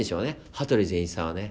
羽鳥善一さんはね。